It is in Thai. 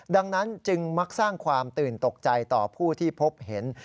ดังนั้นจึงมักสร้างความตื่นตกใจต่อผู้ที่พบเห็น